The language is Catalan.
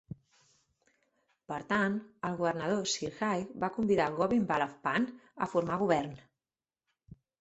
Per tant, el Governador Sir Haig va convidar Govind Ballabh Pant a formar govern.